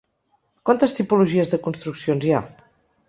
Quantes tipologies de construccions hi ha?